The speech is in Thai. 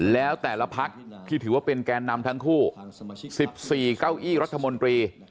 แล้วแต่ละพักที่ถือว่าเป็นแกนนำทั้งคู่๑๔เก้าอี้รัฐมนตรี